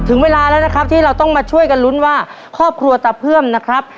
ถึงเวลาแล้วนะครับที่เราต้องมาช่วยกันลุ้นว่าครอบครัวตะเพื่อมนะครับ